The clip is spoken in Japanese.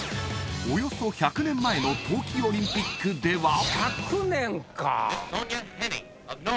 ［およそ１００年前の冬季オリンピックでは］